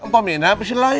pak minah apa sih lagi